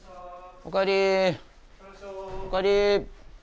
おかえり。